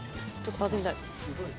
触ってみたい。